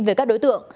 về các đối tượng